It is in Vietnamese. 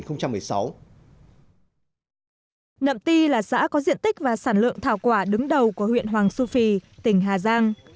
nậm ti là xã có diện tích và sản lượng thảo quả đứng đầu của huyện hoàng su phi tỉnh hà giang